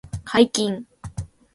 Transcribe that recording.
解禁